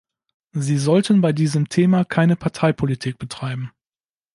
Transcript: Sie sollten bei diesem Thema keine Parteipolitik betreiben.